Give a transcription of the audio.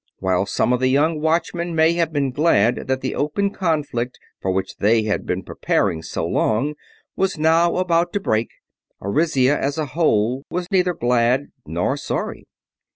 While some of the young Watchmen may have been glad that the open conflict for which they had been preparing so long was now about to break, Arisia as a whole was neither glad nor sorry.